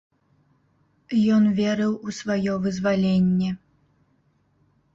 Ён верыў у сваё вызваленне.